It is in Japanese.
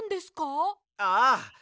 ああ。